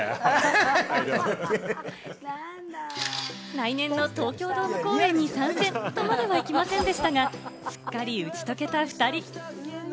来年の東京ドーム公演に参戦とまでは行きませんでしたが、すっかり打ち解けた２人。